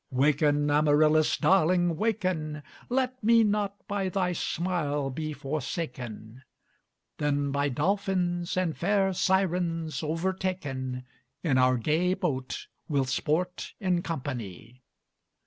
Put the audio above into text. Waken, Amaryllis, darling, waken! Let me not by thy smile be forsaken: Then by dolphins and fair sirens overtaken, In our gay boat we'll sport in company.